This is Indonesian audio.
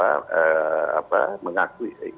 nah mengenai hal yang meringankan itu agak bersebut